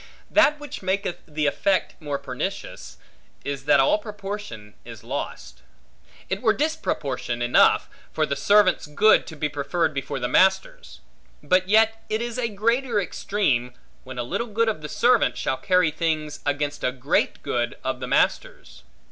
That which maketh the effect more pernicious, is that all proportion is lost. It were disproportion enough, for the servant's good to be preferred before the master's; but yet it is a greater extreme, when a little good of the servant, shall carry things against a great good of the master's.